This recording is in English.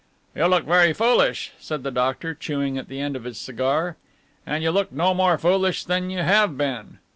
"You look very foolish," said the doctor, chewing at the end of his cigar, "and you look no more foolish than you have been.